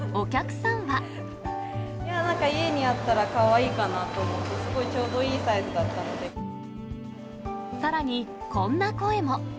なんか、家にあったらかわいいかなと思って、すごくちょうどいいサイズださらにこんな声も。